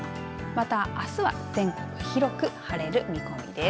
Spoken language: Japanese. また、あすは全国広く晴れる見込みです。